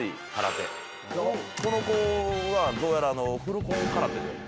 この子はどうやらフルコン空手で。